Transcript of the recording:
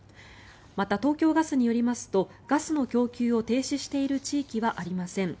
また、東京ガスによりますとガスの供給を停止している地域はありません。